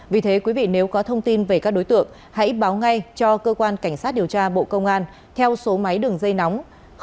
vì thế quý vị nếu có thông tin về các đối tượng hãy báo ngay cho cơ quan cảnh sát điều tra bộ công an theo số máy đường dây nóng sáu mươi chín hai trăm ba mươi bốn năm nghìn tám trăm sáu mươi